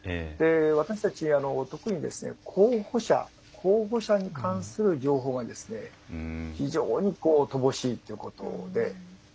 私たち特に候補者に関する情報が非常に乏しいということで。